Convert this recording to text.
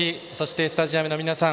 スタジアムの皆さん